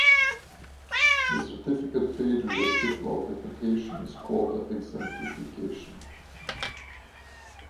The certificate page with the triple authentication is called the exemplification.